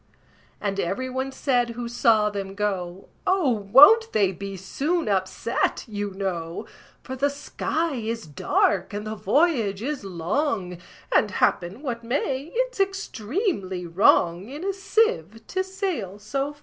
And every one said who saw them go, "Oh! won't they be soon upset, you know? For the sky is dark, and the voyage is long; And, happen what may, it's extremely wrong In a sieve to sail so fast."